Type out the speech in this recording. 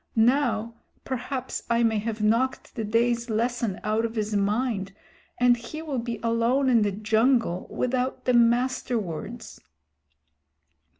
Now perhaps I may have knocked the day's lesson out of his mind, and he will be alone in the jungle without the Master Words."